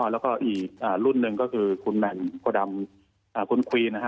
แล้วก็อีกรุ่นหนึ่งก็คือคุณแมนโปรดัมคุณควีน